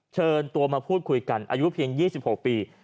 เชิญตัวมาพูดคุยกันอายุเพียง๒๖ปี